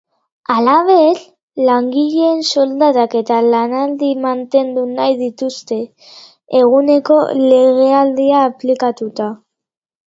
Halaber, langileen soldatak eta lanaldia mantendu nahi dituzte, egungo legedia aplikatuta.